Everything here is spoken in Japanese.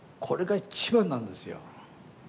これが一番なんですよ。